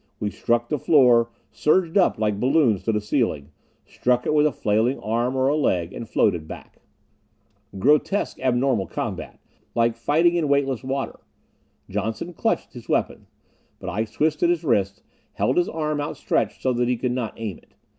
We struck the floor, surged up like balloons to the ceiling, struck it with a flailing arm or a leg and floated back. Grotesque, abnormal combat! Like fighting in weightless water. Johnson clutched his weapon, but I twisted his wrist, held his arm outstretched so that he could not aim it.